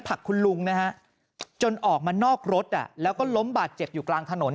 ผลักคุณลุงนะฮะจนออกมานอกรถแล้วก็ล้มบาดเจ็บอยู่กลางถนน